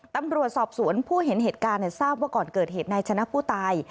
ตำรวจสอบสวนผู้เห็นเหตุการณ์ทราบว่าก่อนเกิดเหตุนายชนะผู้ตาย